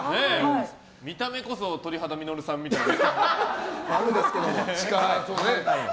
見た目こそ、鳥肌実さんみたいな。